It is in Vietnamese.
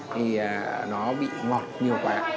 thì nó bị ngọt nhiều quá